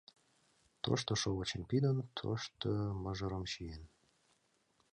Тошто шовычым пидын, тошто мыжерым чиен.